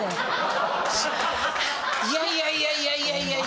いやいや。